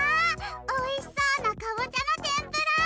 おいしそうなかぼちゃのてんぷら！